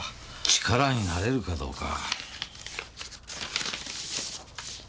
力になれるかどうか。